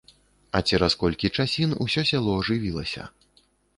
А цераз колькі часін усё сяло ажывілася.